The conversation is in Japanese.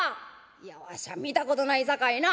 「いやわしは見たことないさかいな」。